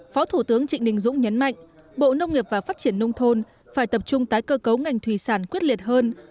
phó thủ tướng trịnh đình dũng nhấn mạnh bộ nông nghiệp và phát triển nông thôn phải tập trung tái cơ cấu ngành thủy sản quyết liệt hơn